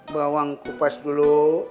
bawang kupas dulu